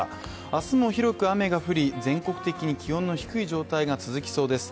明日も広く雨が降り、全国的に気温の低い状態が続きそうです。